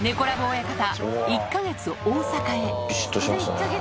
親方、１か月大阪へ。